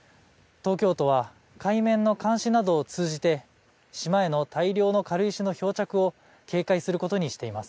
東京都は海面の監視などを通じて島への大量の軽石の漂着を警戒することにしています。